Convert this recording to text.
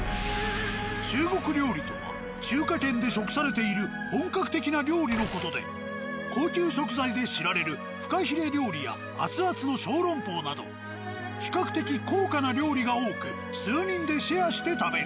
中国料理とは中華圏で食されている本格的な料理の事で高級食材で知られるフカヒレ料理や熱々の小籠包など比較的高価な料理が多く数人でシェアして食べる。